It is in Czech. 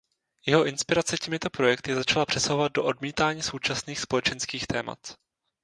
Jeho inspirace těmito projekty začala přesahovat do odmítání současných společenských témat.